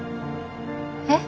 えっ？